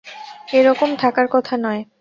এ রকম থাকার কথা নয়।